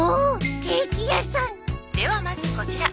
ではまずこちら。